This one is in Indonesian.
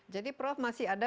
jadi prof masih ada